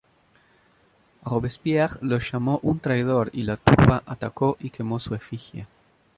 Robespierre lo llamó un traidor y la turba atacó y quemó su efigie.